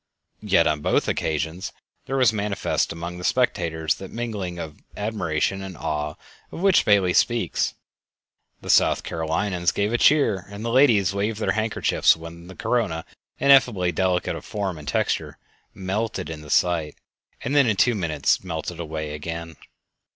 Yet on both occasions there was manifest among the spectators that mingling of admiration and awe of which Bailey speaks. The South Carolinians gave a cheer and the ladies waved their handkerchiefs when the corona, ineffably delicate of form and texture, melted into sight and then in two minutes melted away again.